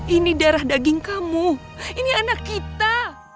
ini darah daging kamu ini anak kita